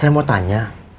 saya mau tanya